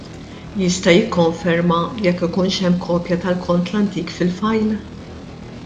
Jista' jikkonferma jekk ikunx hemm kopja tal-kont l-antik fil-file?